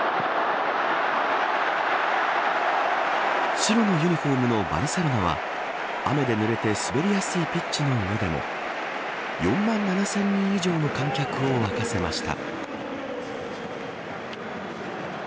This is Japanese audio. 白のユニホームのバルセロナは雨でぬれて滑りやすいピッチの上でも４万７０００人以上の観客を沸かせました。